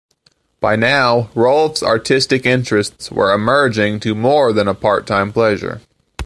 By now Rolf's artistic interests were emerging to more than a part-time pleasure.